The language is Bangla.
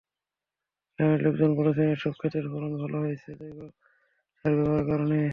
গ্রামের লোকজন বলছেন, এসব খেতের ফলন ভালো হয়েছে জৈব সার ব্যবহারের কারণে।